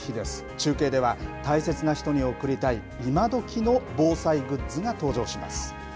中継では、大切な人に贈りたい今どきの防災グッズが登場します。